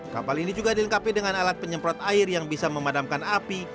kapal ini juga dilengkapi dengan alat penyemprot air yang bisa memadamkan api